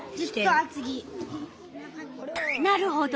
なるほど。